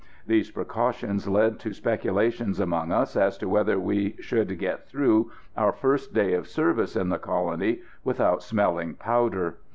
These precautions led to speculations among us as to whether we should get through our first day of service in the colony without smelling powder.